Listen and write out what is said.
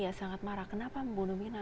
ya sangat marah kenapa membunuh mirna